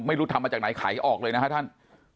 ไม่รู้ทำมาจากไหนไขออกเลยนะฮะท่าน